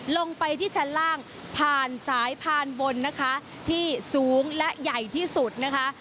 ลงไปที่ชั้นล่างผ่านสายพานบนนะคะที่สูงและใหญ่ที่สุดนะคะ